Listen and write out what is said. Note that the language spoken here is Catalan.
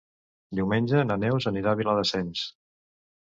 Diumenge na Neus anirà a Viladasens.